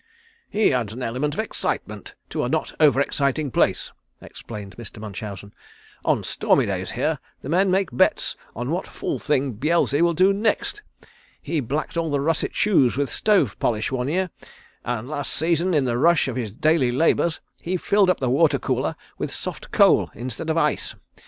"He adds an element of excitement to a not over exciting place," explained Mr. Munchausen. "On stormy days here the men make bets on what fool thing Beelzy will do next. He blacked all the russet shoes with stove polish one year, and last season in the rush of his daily labours he filled up the water cooler with soft coal instead of ice.